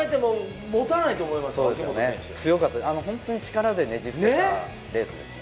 本当に力でねじ伏せたレースですね。